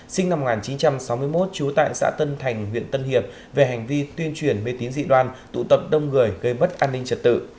sinh năm một nghìn chín trăm sáu mươi một trú tại xã tân thành huyện tân hiệp về hành vi tuyên truyền mê tín dị đoan tụ tập đông người gây mất an ninh trật tự